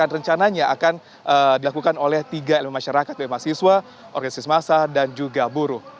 rencananya akan dilakukan oleh tiga elemen masyarakat bma siswa organisasi masyarakat dan juga buruh